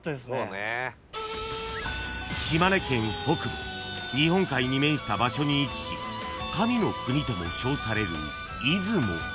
［北部日本海に面した場所に位置し神の国とも称される］